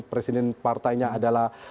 presiden partainya adalah